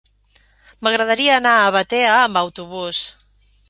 M'agradaria anar a Batea amb autobús.